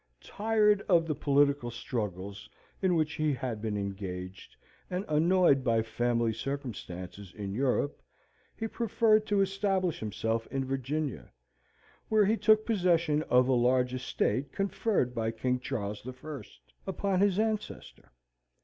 Tired of the political struggles in which he had been engaged, and annoyed by family circumstances in Europe, he preferred to establish himself in Virginia, where he took possession of a large estate conferred by King Charles I. upon his ancestor.